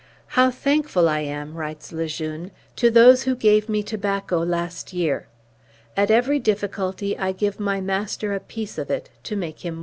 "How thankful I am," writes Le Jeune, "to those who gave me tobacco last year! At every difficulty I give my master a piece of it, to make him more attentive."